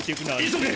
急げ！